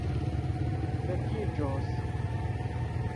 vekiĝos